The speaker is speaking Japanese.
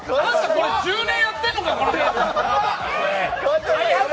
これ、１０年やってんのか、このゲーム。